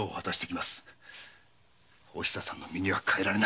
おひささんの身には代えられない。